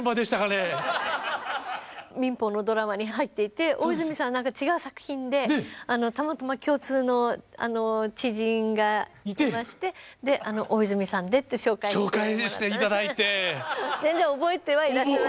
民放のドラマに入っていて大泉さんは違う作品でたまたま共通の知人がいましてで「大泉さんで」って紹介してもらって。